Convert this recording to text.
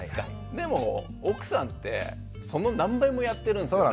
でも奥さんってその何倍もやってるんですよね。